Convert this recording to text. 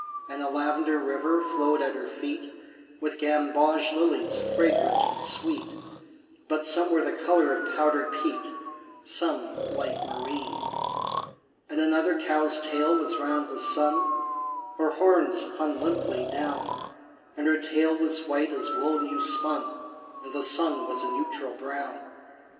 And a lavender river flowed at her feet With gamboge lilies fragrant and sweet, But some were the color of powdered peat, Some light marine. And another cow's tail was round the sun (Her horns hung limply down); And her tail was white as wool new spun, And the sun was a neutral brown.